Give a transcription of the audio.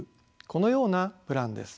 このようなプランです。